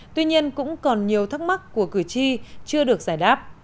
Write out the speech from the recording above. tuy nhiên cũng còn nhiều thắc mắc của cử tri chưa được giải đáp